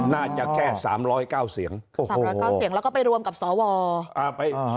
น่าจะแค่สามร้อยเก้าเสียงสามร้อยเก้าเสียงแล้วก็ไปรวมกับสอวร